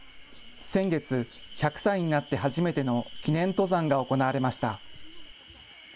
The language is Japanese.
先月、１００歳になって初めての記念登山が行われました。